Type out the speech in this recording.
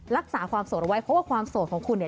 รักษาความโสดเอาไว้เพราะว่าความโสดของคุณเนี่ย